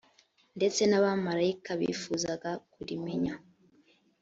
ndetse n abamarayika bifuzaga kurimenya